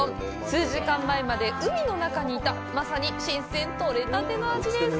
数時間前まで海の中にいた、まさに新鮮獲れたての味です！